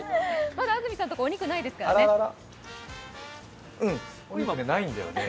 まだ安住さんのところお肉ないですからね。